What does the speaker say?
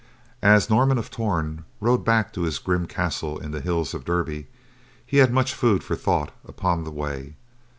As Norman of Torn rode back to his grim castle in the hills of Derby, he had much food for thought upon the way.